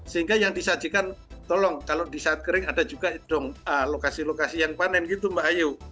sehingga yang disajikan tolong kalau di saat kering ada juga dong lokasi lokasi yang panen gitu mbak ayu